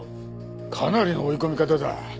かなりの追い込み方だ。